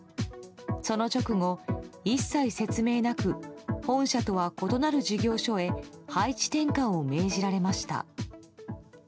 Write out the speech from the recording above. その直後、一切説明なく本社とは異なる事業所へ配置転換を命じられました。